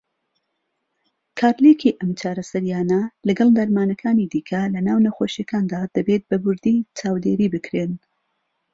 کارلێکی ئەم چارەسەریانە لەگەڵ دەرمانەکانی دیکه لەناو نەخۆشەکاندا دەبێت بە وردی چاودێری بکرێن.